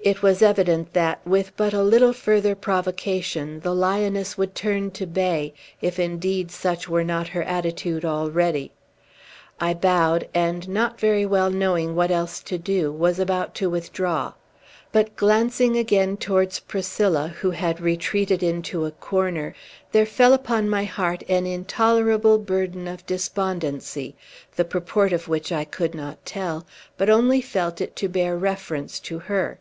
It was evident that, with but a little further provocation, the lioness would turn to bay; if, indeed, such were not her attitude already. I bowed, and not very well knowing what else to do, was about to withdraw. But, glancing again towards Priscilla, who had retreated into a corner, there fell upon my heart an intolerable burden of despondency, the purport of which I could not tell, but only felt it to bear reference to her.